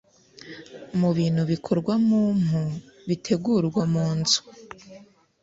Mu bintu bikorwa mu mpu bitegurwa mu nzu